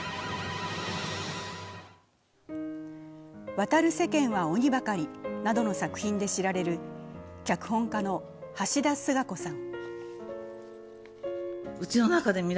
「渡る世間は鬼ばかり」などの作品で知られる脚本家の橋田壽賀子さん。